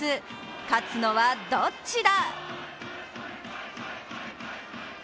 勝つのはどっちだ？